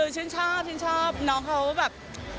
ชื่อฉันชอบน้องเขาแบบ